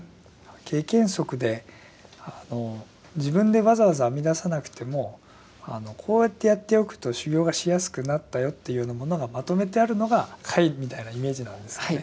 経験則で自分でわざわざ編み出さなくてもこうやってやっておくと修行がしやすくなったよっていうようなものがまとめてあるのが「戒」みたいなイメージなんですね。